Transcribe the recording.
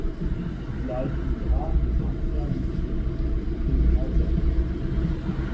Ich gleichen Jahr gewann er mit dem Club den Kaiserpokal.